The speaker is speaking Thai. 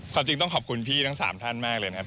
ความจริงต้องขอบคุณพี่ทั้ง๓ท่านมากเลยนะครับ